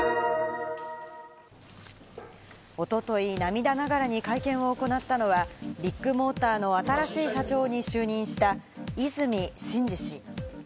おととい涙ながらに会見を行ったのは、ビッグモーターの新しい社長に就任した和泉伸二氏。